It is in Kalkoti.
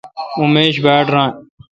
اوں میش باڑ ران۔